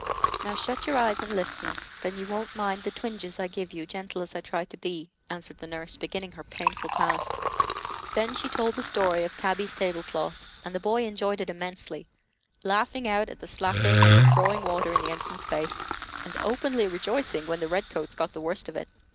Now shut your eyes and listen; then you wont mind the twinges I give you, gentle as I try to be," answered the nurse, beginning her painful task. Then she told the story of Tabby's table cloth, and the boy enjoyed it immensely, laughing out at the slapping and the throwing water in the ensign's face, and openly rejoicing when the red coats got the worst of it.